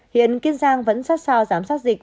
hiện kiên giang vẫn sát sao giám sát dịch